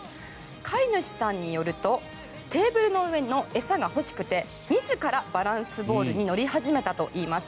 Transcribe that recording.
飼い主さんによるとテーブルの上の餌が欲しくて自らバランスボールに乗り始めたといいます。